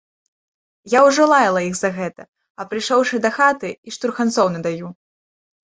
Я ўжо лаяла іх за гэта, а прыйшоўшы дахаты, і штурханцоў надаю.